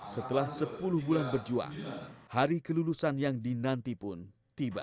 setelah sepuluh bulan berjuang hari kelulusan yang dinanti pun tiba